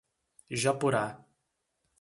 Japurá